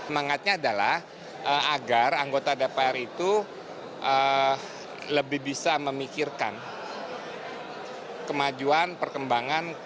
mangatnya adalah agar anggota dpr itu lebih bisa memikirkan kemajuan perkembangan